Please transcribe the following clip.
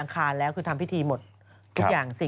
เค้าแท็กใครบ้างอะ